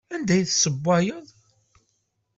Anda ay tessewwayeḍ?